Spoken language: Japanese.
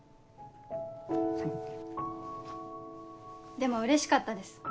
でもうれしかったです。